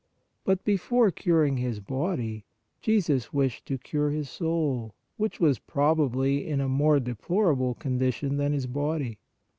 But before cur ing his body, Jesus wished to cure his soul, which was probably in a more deplorable condition than his body.